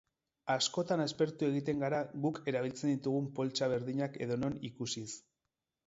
Askotan aspertu egiten gara guk erabiltzen ditugun poltsa berdinak edonon ikusiz.